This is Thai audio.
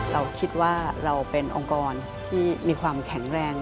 เราคิดว่าเราเป็นองค์กรที่มีความแข็งแรง